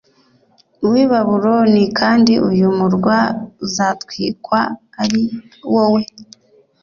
w i babuloni kandi uyu murwa uzatwikwa ari wowe